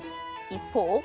一方。